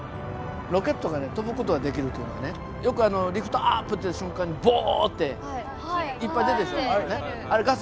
ロケットが飛ぶ事ができるというのはねよく「リフトアップ」って言う瞬間にボッていっぱい出るでしょ。